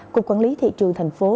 cục quản lý thị trường thành phố